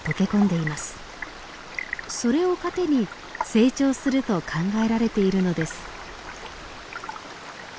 それを糧に成長すると考えられているのです。